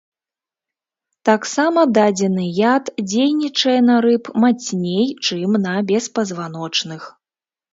Таксама дадзены яд дзейнічае на рыб мацней, чым на беспазваночных.